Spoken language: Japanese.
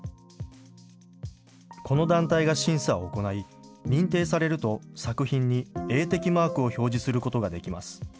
この団体が審査を行い、認定されると作品に映適マークを表示することができます。